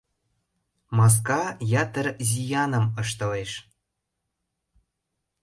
Маска ятыр зияным ыштылеш.